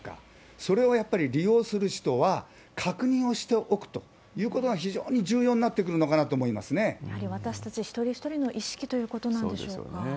それをやっぱり利用する人は、確認をしておくということが非常に重要になってくるのかなと思いやはり私たち一人一人の意識そうですよね。